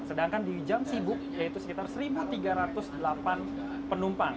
sedangkan di jam sibuk yaitu sekitar satu tiga ratus delapan penumpang